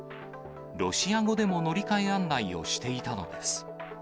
ロシア語でも乗り換え案内をしていたのです。